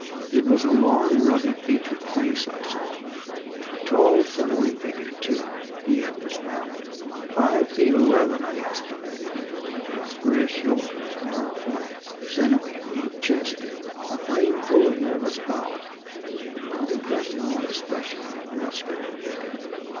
It was a long, rugged featured face I saw. A tall, sinewy figure, too (he had dismounted), five feet eleven, I estimated, with square shoulders, narrow flank, sinewy and deep chested. A frame full of nervous power, but not impressing one especially with muscular vigor.